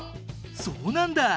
そうなんだ！